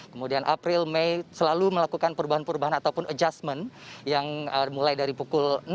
kemudian april mei selalu melakukan perubahan perubahan ataupun adjustment yang mulai dari pukul